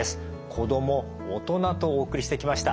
子ども大人とお送りしてきました。